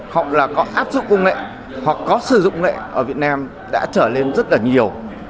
hoặc là có áp dụng công nghệ hoặc có sử dụng nghệ ở việt nam đã trở lên rất là nhiều